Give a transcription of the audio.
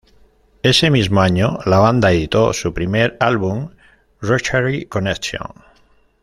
Ese mismo año la banda editó su primer álbum "Rotary connection".